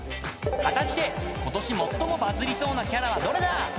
［果たして今年最もバズりそうなキャラはどれだ！？］